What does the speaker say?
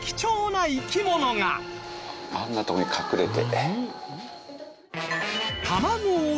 あんな所に隠れて。